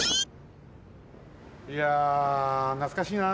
いやなつかしいな。